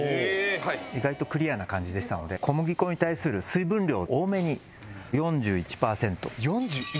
意外とクリアな感じでしたので小麦粉に対する水分量多めに４１％４１？